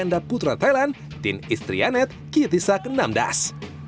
ganda putra thailand tin istrianet kiyotisa kenamdas